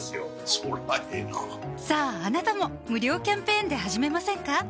そりゃええなさぁあなたも無料キャンペーンで始めませんか？